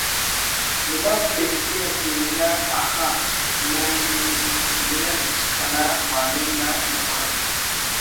نما P H D نا سیمینار اخہ م م م منٹ کنا پاننگ نا مسختءِ